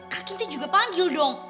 kak inti juga panggil dong